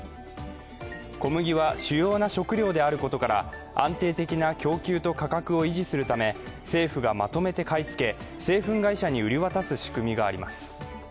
小麦は主要な食料であることから安定的な供給と価格を維持するため政府がまとめて買い付け製粉会社に売り渡す仕組みがあります。